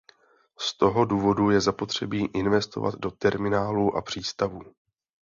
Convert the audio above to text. Z toho důvodu je zapotřebí investovat do terminálů a přístavů.